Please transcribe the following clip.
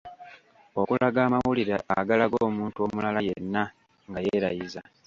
Okulaga amawulire agalaga omuntu omulala yenna nga yeerayiza